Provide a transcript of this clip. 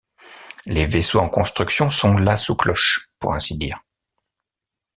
Les vaisseaux en construction sont là sous cloche, pour ainsi dire.